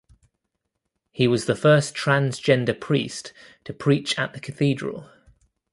He was the first transgender priest to preach at the Cathedral.